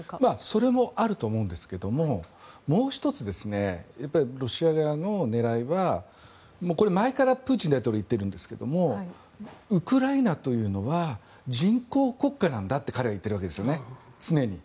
それもあると思うんですがもう１つ、ロシア側の狙いはこれ、前からプーチン大統領言ってるんですがウクライナというのは人工国家なんだって彼は言っているわけですよね常に。